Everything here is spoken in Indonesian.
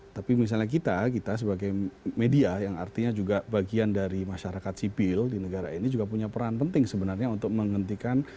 tapi misalnya kita kita sebagai media yang artinya juga bagian dari masyarakat sipil di negara ini juga punya peran penting sebenarnya untuk menghentikan